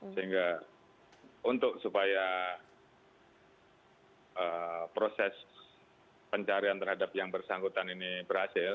sehingga untuk supaya proses pencarian terhadap yang bersangkutan ini berhasil